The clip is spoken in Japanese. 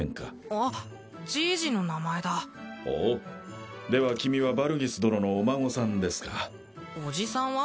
あっじいじの名前だほうでは君はバルギス殿のお孫さんですかおじさんは？